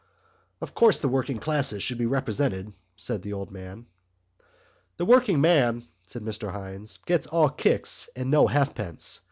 "Of course, the working classes should be represented," said the old man. "The working man," said Mr Hynes, "gets all kicks and no halfpence.